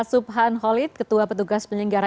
subhan holid ketua petugas penyelenggara